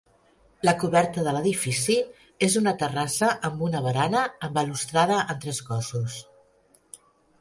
La coberta de l'edifici és una terrassa amb una barana amb balustrada en tres cossos.